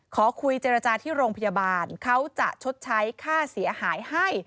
ขอคุยเจรจาที่โรงพยาบาลเขาจะชดใช้ค่าเสียหายให้